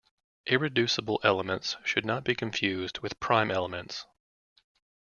Irreducible elements should not be confused with prime elements.